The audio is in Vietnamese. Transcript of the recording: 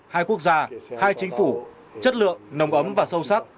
hai quốc gia hai chính phủ chất lượng nồng ấm và sâu sắc